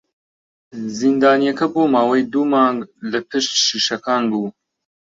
زیندانییەکە بۆ ماوەی دوو مانگ لە پشت شیشەکان بوو.